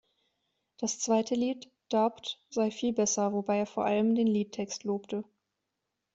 Das zweite Lied "Doubt" sei viel besser, wobei er vor allem den Liedtext lobte.